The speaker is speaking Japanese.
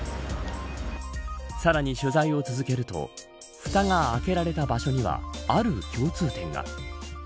さらに取材を続けるとふたが開けられた場所にはある共通点が。